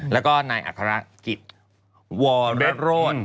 แล้วก็ในอักษรกิจวรรโรน